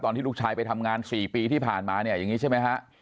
ลูกชายไปทำงาน๔ปีที่ผ่านมาเนี่ยอย่างนี้ใช่ไหมฮะ